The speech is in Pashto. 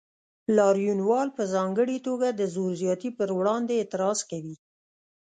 لاریونوال په ځانګړې توګه د زور زیاتي پر وړاندې اعتراض کوي.